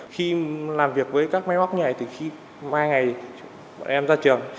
khi làm việc với các máy móc như này thì khi mai ngày em ra trường